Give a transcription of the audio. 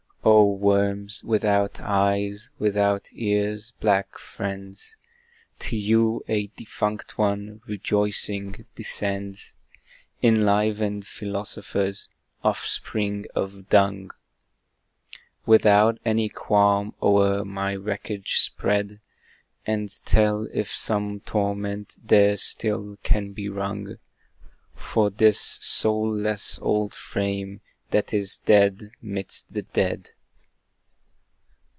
Oh worms, without eyes, without ears, black friends! To you a defunct one, rejoicing, descends, Enlivened Philosophers offspring of Dung! Without any qualms, o'er my wreckage spread, And tell if some torment there still can be wrung For this soul less old frame that is dead 'midst the dead!